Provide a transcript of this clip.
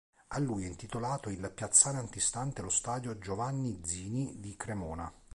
A lui è intitolato il piazzale antistante lo stadio "Giovanni Zini" di Cremona.